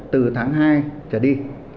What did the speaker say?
từ tháng hai trở đi